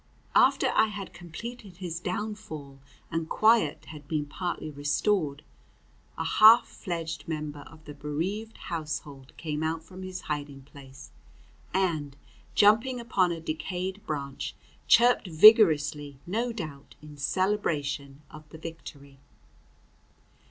After I had completed his downfall and quiet had been partly restored, a half fledged member of the bereaved household came out from his hiding place, and, jumping upon a decayed branch, chirped vigorously, no doubt in celebration of the victory.